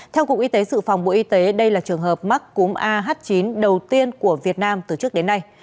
theo cục y tế dự phòng bộ y tế đây là trường hợp mắc cúm ah chín đầu tiên của việt nam từ trước đến nay